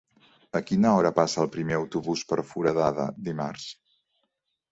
A quina hora passa el primer autobús per Foradada dimarts?